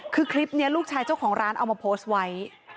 คือคลิปนี้ลูกชายเจ้าของร้านเอามาโพสต์ไว้